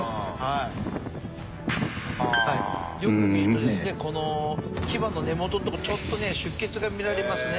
よく見るとですねこの牙の根元のとこちょっとね出血がみられますね。